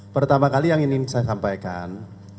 pertama kali yang ingin saya sampaikan